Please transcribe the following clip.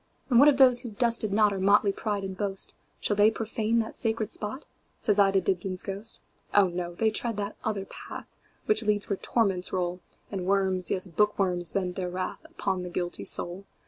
And what of those who 've dusted notOur motley pride and boast,—Shall they profane that sacred spot?"Says I to Dibdin's ghost."Oh, no! they tread that other path, Which leads where torments roll, And worms, yes, bookworms, vent their wrathUpon the guilty soul.